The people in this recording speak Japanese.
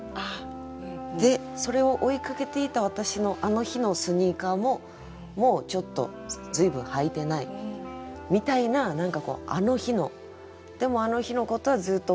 それを追いかけていた私のあの日のスニーカーももうちょっと随分履いてないみたいな何かこうあの日のでもあの日のことはずっと覚えてるよ